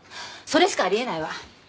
それしかあり得ないわ。